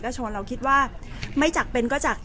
แต่ว่าสามีด้วยคือเราอยู่บ้านเดิมแต่ว่าสามีด้วยคือเราอยู่บ้านเดิม